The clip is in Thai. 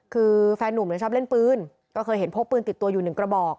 คือแฟนนุ่มชอบเล่นปืนก็เคยเห็นพกปืนติดตัวอยู่หนึ่งกระบอก